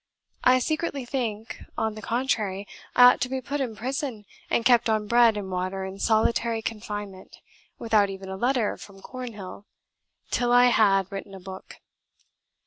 I secretly think, on the contrary, I ought to be put in prison, and kept on bread and water in solitary confinement without even a letter from Cornhill till I had written a book.